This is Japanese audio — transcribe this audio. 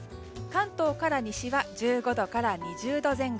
関東から西は１５度から２０度前後。